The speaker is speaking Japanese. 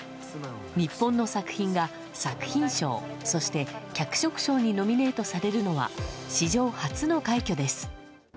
日本の作品が作品賞、そして脚色賞にノミネートされるのは、史上初の快挙です。